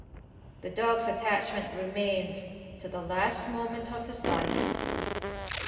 The dog's attachment remained to the last moment of his life.